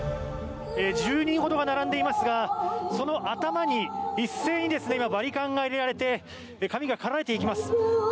１０人ほどが並んでいますがその頭に一斉に今バリカンが入れられて髪が刈られていきます。